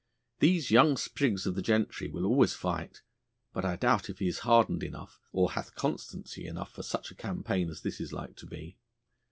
These young sprigs of the gentry will always fight, but I doubt if he is hardened enough or hath constancy enough for such a campaign as this is like to be.